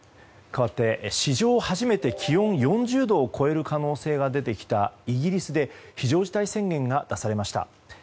かわって史上初めて気温４０度を超える可能性が出てきたイギリスで非常事態宣言が出されました。